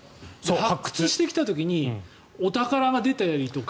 発掘してきた時にお宝が出たりとか。